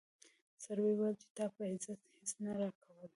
سړي وویل چې تا په عزت هیڅ نه راکول.